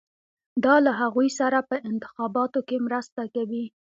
دا له هغوی سره په انتخاباتو کې مرسته کوي.